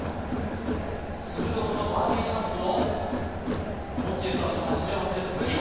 するとこのバーディーチャンスを、モッチーさんも８８です、ベスト。